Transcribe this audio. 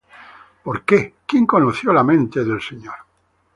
Porque ¿quién conoció la mente del Señor?